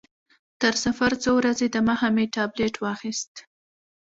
تر سفر څو ورځې دمخه مې ټابلیټ واخیست.